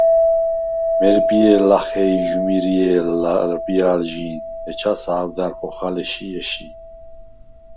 მერბიე̄ლ ლახე იჟმირვჲე̄ლ ლა̈რბია̄ლჟი̄ნ, ეჯას ა̄ვდა̈რ ხოხალ ეში̄-ეში̄.